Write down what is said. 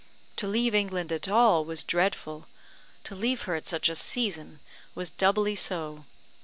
To leave England at all was dreadful to leave her at such a season was doubly so.